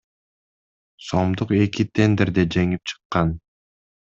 сомдук эки тендерде жеңип чыккан.